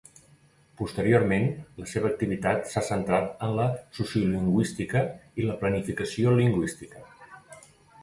Posteriorment, la seva activitat s'ha centrat en la sociolingüística i la planificació lingüística.